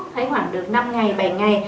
thấy khoảng được năm ngày bảy ngày